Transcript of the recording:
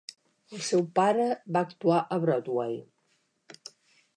El seu pare va actuar a Broadway.